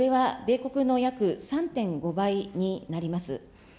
これは米国の約３．５倍になります。